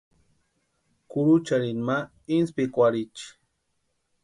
Kurucharini ma intsïpikwarhichi.